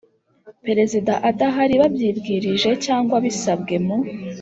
Perezida adahari babyibwirije cyangwa bisabwe mu